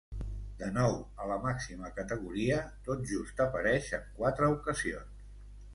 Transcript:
De nou a la màxima categoria, tot just apareix en quatre ocasions.